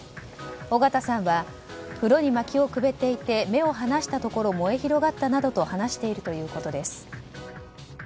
緒方さんは風呂にまきをくべていて目を離したところ燃え広がったなどと話しているということです。